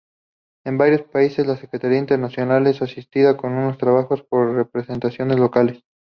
En varios países, la Secretaría Internacional es asistida en sus trabajos por representaciones locales.